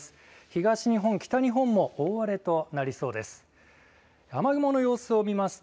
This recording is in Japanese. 東日本、北日本も大荒れとなりそうです。